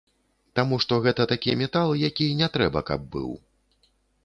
Таму што гэта такі метал, які не трэба, каб быў.